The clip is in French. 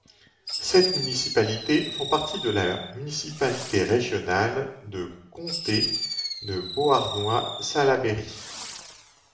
Sept municipalités font partie de la municipalité régionale de comté de Beauharnois-Salaberry.